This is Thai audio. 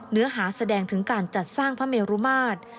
เนื้อหาแสดงถึงการจัดสร้างพระเมรุมาตร